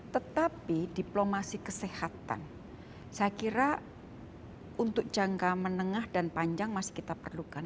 tetapi diplomasi kesehatan saya kira untuk jangka menengah dan panjang masih kita perlukan